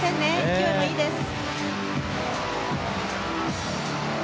勢いもいいです。